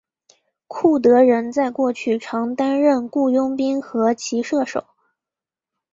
库德人在过去常担任雇佣兵和骑射手。